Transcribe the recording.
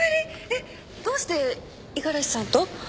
えっどうして五十嵐さんと？